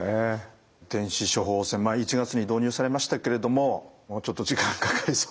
電子処方箋１月に導入されましたけれどももうちょっと時間かかりそうですかね。